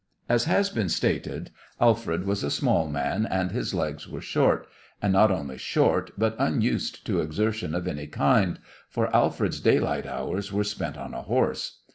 As has been stated, Alfred was a small man and his legs were short and not only short, but unused to exertion of any kind, for Alfred's daylight hours were spent on a horse.